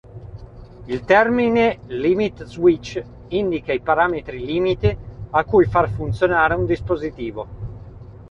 Il termine limit switch indica i parametri limite a cui far funzionare un dispositivo.